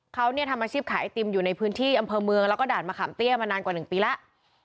เขาเนี่ยทำอาชีพขายไอติมอยู่ในพื้นที่อำเภอเมืองแล้วก็ด่านมะขามเตี้ยมานานกว่า๑ปีแล้ว